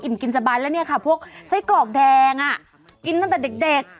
กินสบายแล้วเนี่ยค่ะพวกไส้กรอกแดงกินตั้งแต่เด็ก